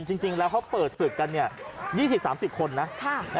จริงแล้วเขาเปิดศึกกัน๒๐๓๐คนนะ